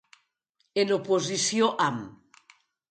En oposició amb.